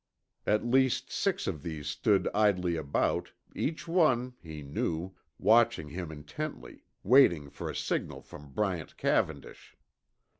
At least six of these stood idly about, each one, he knew, watching him intently, waiting for a signal from Bryant Cavendish.